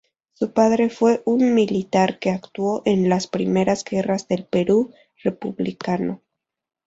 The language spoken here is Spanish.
Su padre fue un militar que actuó en las primeras guerras del Perú republicano.